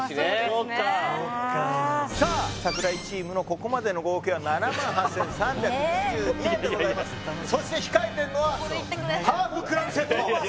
そっかさあ櫻井チームのここまでの合計は７万８３２２円でございますそして控えてんのはハーフクラブセット